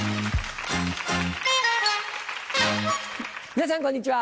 皆さんこんにちは。